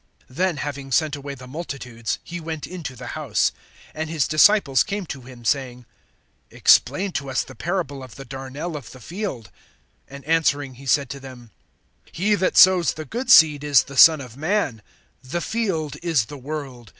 (36)Then having sent away the multitudes[13:36], he went into the house. And his disciples came to him, saying: Explain to us the parable of the darnel of the field. (37)And answering he said to them: He that sows the good seed is the Son of man. (38)The field is the world.